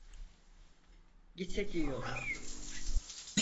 Gitsek iyi olur.